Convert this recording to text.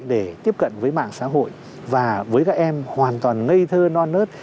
để tiếp cận với mạng xã hội và với các em hoàn toàn ngây thơ non nớt